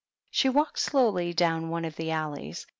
She walked slowly down one of the alleys.